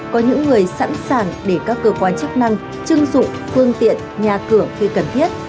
có những người sẵn sàng để các cơ quan chức năng chưng dụng phương tiện nhà cửa khi cần thiết